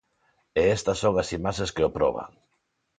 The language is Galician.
E estas son as imaxes que o proban.